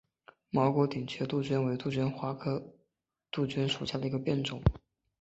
毛果缺顶杜鹃为杜鹃花科杜鹃属下的一个变种。